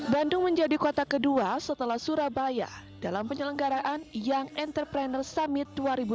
bandung menjadi kota kedua setelah surabaya dalam penyelenggaraan young entrepreneur summit dua ribu dua puluh